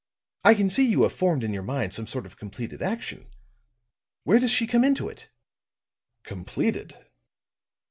I can see you have formed in your mind some sort of completed action. Where does she come into it?" "Completed!"